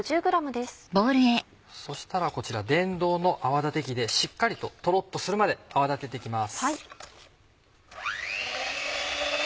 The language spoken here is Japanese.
そしたらこちら電動の泡立て器でしっかりとトロっとするまで泡立てて行きます。